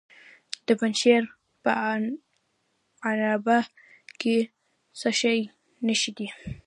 د پنجشیر په عنابه کې د څه شي نښې دي؟